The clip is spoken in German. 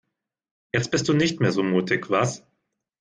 Jetzt bist du nicht mehr so mutig, was?